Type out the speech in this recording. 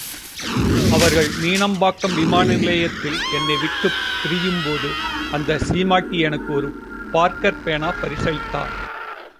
அவர்கள் மீனம்பாக்கம் விமான நிலையத்தில் என்னை விட்டுப் பிரியும்போது அந்த சீமாட்டி எனக்கு ஒரு பார்க்கர் பேனா பரிசளித்தார்.